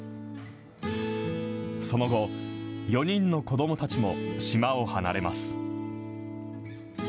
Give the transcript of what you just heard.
その後、４人の子どもたちも島を離れます。